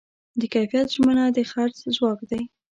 د کیفیت ژمنه د خرڅ ځواک دی.